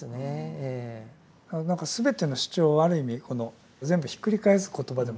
何か全ての主張をある意味全部ひっくり返す言葉でもありますよね。